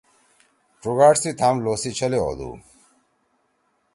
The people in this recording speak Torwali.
ڇُگاڑ سی تھام لو سی چھلے ہودُو۔